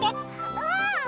うん！